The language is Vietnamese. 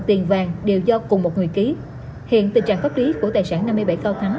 tiền vàng đều do cùng một người ký hiện tình trạng pháp lý của tài sản năm mươi bảy cao thắng